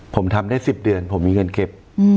ผมทำได้๑๐เดือนผมมีเงินเก็บ